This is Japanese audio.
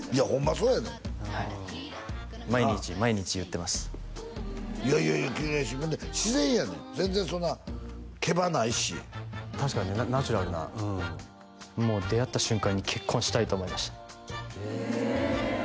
そうやねんはい毎日毎日言ってますいやいやいやきれいやしほんで自然やねん全然そんなケバないし確かにねナチュラルなもう出会った瞬間に結婚したいと思いましたへえ